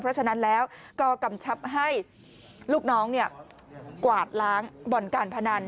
เพราะฉะนั้นแล้วก็กำชับให้ลูกน้องกวาดล้างบ่อนการพนัน